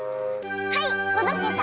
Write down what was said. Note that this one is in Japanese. はいほどけた！